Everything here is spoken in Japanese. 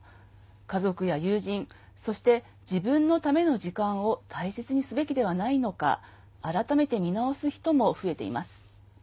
家族や友人そして、自分のための時間を大切にすべきではないのか改めて見直す人も増えています。